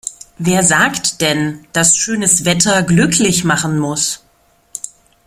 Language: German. Wer sagt denn, dass schönes Wetter glücklich machen muss?